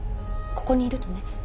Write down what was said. ここにいるとね